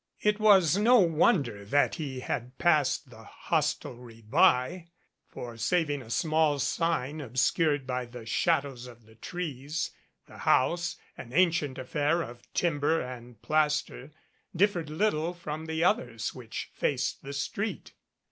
It was no wonder that he had passed the hos telry by ; for saving a small sign obscured by the shadows of the trees, the house, an ancient affair of timber and plaster, differed little from the others which faced the street.